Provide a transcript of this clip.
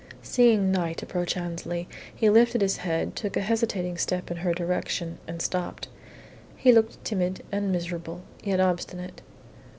Seeing Knight approach Annesley, he lifted his head, took a hesitating step in her direction, and stopped. He looked timid and miserable, yet obstinate.